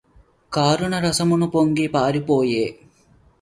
కరుణరసము పొంగి పొరలిపోయె